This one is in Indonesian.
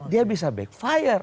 dia bisa backfire